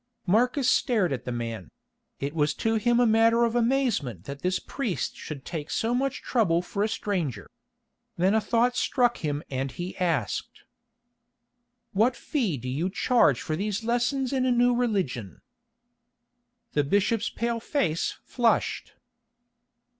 Marcus stared at the man; it was to him a matter of amazement that this priest should take so much trouble for a stranger. Then a thought struck him and he asked: "What fee do you charge for these lessons in a new religion?" The bishop's pale face flushed.